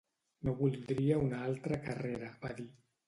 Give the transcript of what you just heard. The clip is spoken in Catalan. No voldria una altra carrera, va dir.